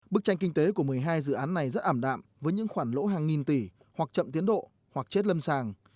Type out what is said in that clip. bức tranh kinh tế của một mươi hai dự án này rất ảm đạm với những khoản lỗ hàng nghìn tỷ hoặc chậm tiến độ hoặc chết lâm sàng